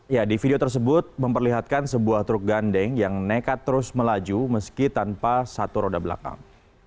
ya di video tersebut memperlihatkan sebuah truk gandeng yang nekat terus melaju meski tanpa satu roda belakang